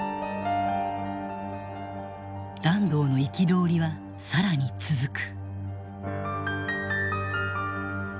團藤の憤りは更に続く。